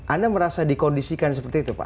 anda merasa dikondisikan seperti itu pak